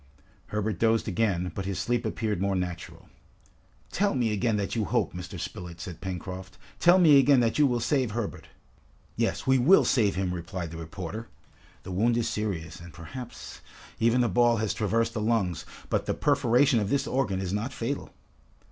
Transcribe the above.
Herbert dozed again, but his sleep appeared more natural. "Tell me again that you hope, Mr. Spilett," said Pencroft. "Tell me again that you will save Herbert!" "Yes, we will save him!" replied the reporter. "The wound is serious, and, perhaps, even the ball has traversed the lungs, but the perforation of this organ is not fatal."